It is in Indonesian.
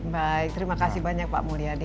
baik terima kasih banyak pak mulyadi